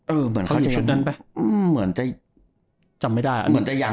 เออเหมือนเขาอยู่ชุดนั้นไปอืมเหมือนจะจำไม่ได้อันนี้เหมือนจะยัง